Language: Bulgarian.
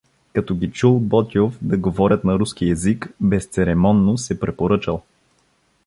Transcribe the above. Като ги чул Ботйов да говорят на руски език, безцеремонно се препоръчал.